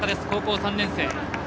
高校３年生。